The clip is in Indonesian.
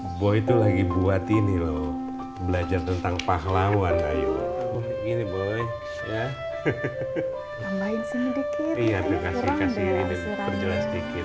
hai boy itu lagi buat ini loh belajar tentang pahlawan ayo ini boy ya